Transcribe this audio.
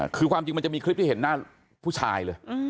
คือความจริงมันจะมีคลิปที่เห็นหน้าผู้ชายเลย